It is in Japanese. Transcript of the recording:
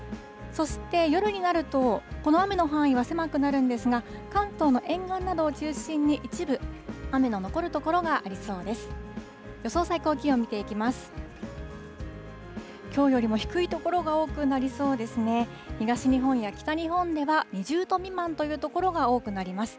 そして、夜になるとこの雨の範囲は狭くなるんですが、関東の沿岸などを中心に、一部雨の残る所がありそうです。